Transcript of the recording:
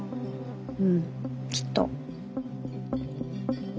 うんきっと。